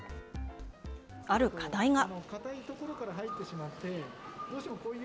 ある課題が。